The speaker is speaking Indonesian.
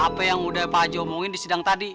apa yang udah paji omongin di sidang tadi